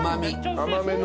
甘めの。